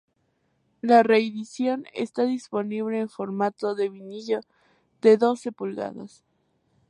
La reedición está disponible en formato de vinilo de doce pulgadas.